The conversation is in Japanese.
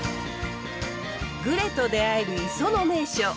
グレと出会える磯の名所